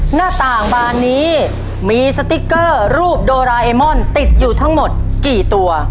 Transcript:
หน้าต่างบานนี้มีสติ๊กเกอร์รูปโดราเอมอนติดอยู่ทั้งหมดกี่ตัว